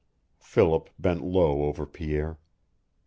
Philip bent low over Pierre.